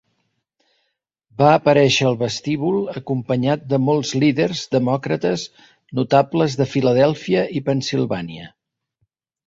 Va aparèixer al vestíbul acompanyat de molts líders demòcrates notables de Filadèlfia i Pennsilvània.